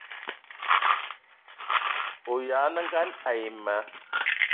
O ayag' nengan ayi ma